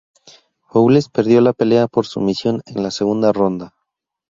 Bowles perdió la pelea por sumisión en la segunda ronda.